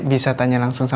bisa ke banyak salah tanah